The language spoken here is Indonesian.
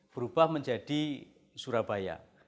berubah menjadi surabaya